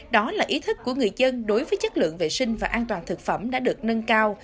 đó là ý thức của người dân đối với chất lượng vệ sinh và an toàn thực phẩm đã được nâng cao